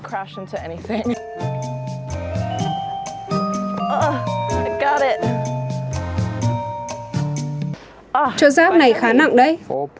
chỗ rác này khá nặng đấy